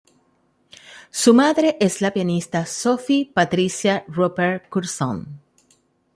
Su madre es la pianista Sophie Patricia Roper-Curzon.